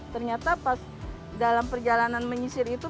ternyata pas dalam perjalanan menyisir itu